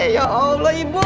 ya allah ibu